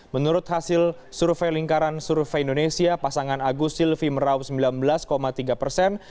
menurut hasil survei lingkaran survei indonesia pasangan agus silvi meraup sembilan belas tiga persen